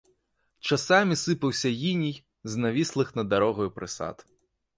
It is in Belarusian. Часамі сыпаўся іней з навіслых над дарогаю прысад.